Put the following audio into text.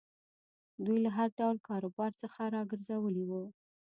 دوی له هر ډول کاروبار څخه را ګرځولي وو.